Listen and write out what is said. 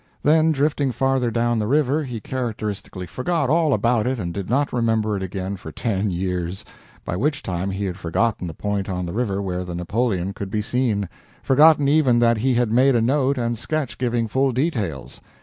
Then, drifting farther down the river, he characteristically forgot all about it and did not remember it again for ten years, by which time he had forgotten the point on the river where the Napoleon could be seen, forgotten even that he had made a note and sketch giving full details.